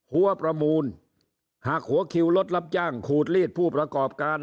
หัวประมูลหักหัวคิวรถรับจ้างขูดลีดผู้ประกอบการ